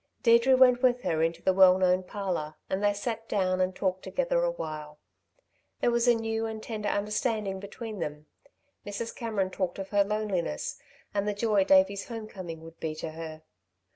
Deirdre went with her into the well known parlour, and they sat down and talked together awhile. There was a new and tender understanding between them. Mrs. Cameron talked of her loneliness and the joy Davey's home coming would be to her.